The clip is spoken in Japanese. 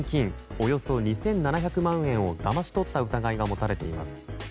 およそ２７００万円をだまし取った疑いが持たれています。